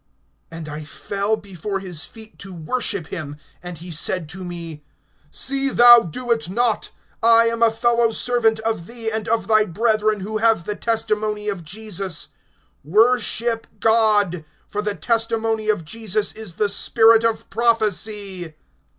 (10)And I fell before his feet to worship him. And he said to me: See thou do it not. I am a fellow servant of thee and of thy brethren who have the testimony of Jesus; worship God. For the testimony of Jesus is the spirit of prophecy.